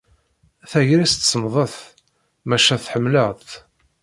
Tagrest semmḍet, maca tḥemmled-tt.